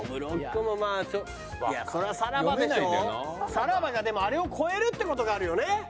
さらばがでもあれを超えるって事があるよね。